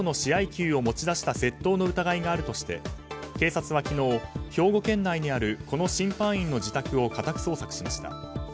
球を持ち出した窃盗の疑いがあるとして警察は昨日、兵庫県内にあるこの審判員の自宅を家宅捜索しました。